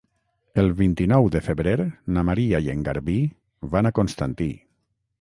El vint-i-nou de febrer na Maria i en Garbí van a Constantí.